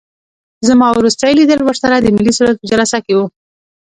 زما وروستی لیدل ورسره د ملي سرود په جلسه کې وو.